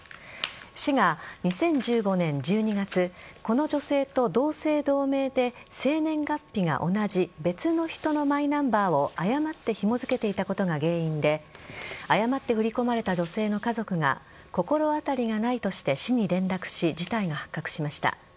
市が２０１５年１２月この女性と同姓同名で生年月日が同じ別の人のマイナンバーを誤ってひも付けていたことが原因で誤って振り込まれた女性の家族が心当たりがないとして市に連絡し事態が発覚しました。